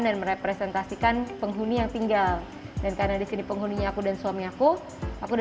dan merepresentasikan penghuni yang tinggal dan karena di sini penghuninya aku dan suami aku aku